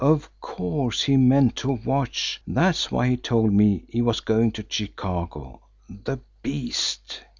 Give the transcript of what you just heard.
Of course he meant to watch that's why he told me he was going to Chicago. The beast!"